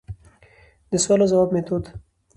دسوال او ځواب ميتود: